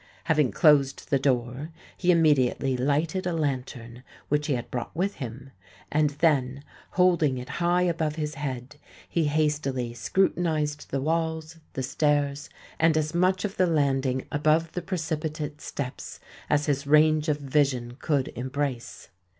Having closed the door, he immediately lighted a lantern which he had brought with him; and then, holding it high above his head, he hastily scrutinized the walls, the stairs, and as much of the landing above the precipitate steps, as his range of vision could embrace.